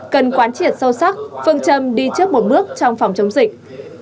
cần quán triệt sâu sắc phương châm đi trước một bước trong phòng chống dịch